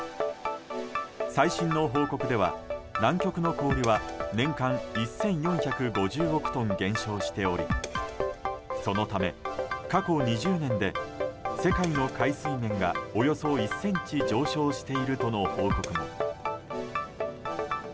最新の報告では南極の氷は年間１４５０億トン減少しておりそのため、過去２０年で世界の海水面がおよそ１ｃｍ上昇しているとの報告も。